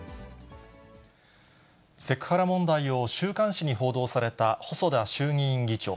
セクハラ問題を週刊誌に報道された細田衆議院議長。